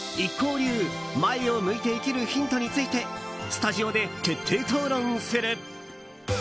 流前を向いて生きるヒントについてスタジオで徹底討論する。